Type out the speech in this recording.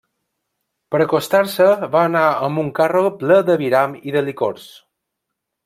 Per acostar-se va anar amb un carro ple d'aviram i de licors.